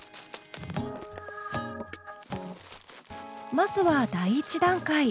まずは第１段階。